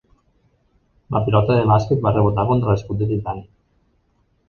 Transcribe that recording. La pilota de bàsquet va rebotar contra l'escut de titani.